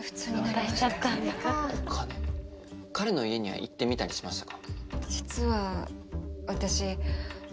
彼の家には行ってみたりしましたか？